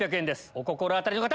お心当たりの方！